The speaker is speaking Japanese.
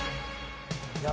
いや